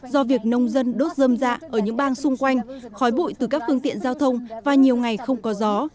do việc nông dân đốt dơm dạ ở những bang xung quanh khói bụi từ các phương tiện giao thông và nhiều ngày không có gió